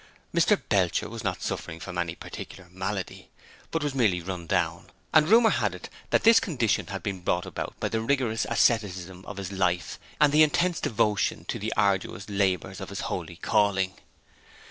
Mr Belcher was not suffering from any particular malady, but was merely 'run down', and rumour had it that this condition had been brought about by the rigorous asceticism of his life and his intense devotion to the arduous labours of his holy calling.